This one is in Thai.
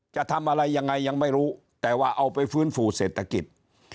จะทำอะไรยังไงยังไม่รู้แต่ว่าเอาไปฟื้นฟูเศรษฐกิจ